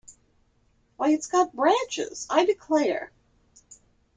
Why, it’s got branches, I declare!